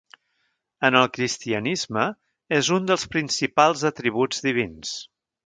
En el cristianisme, és un dels principals atributs divins.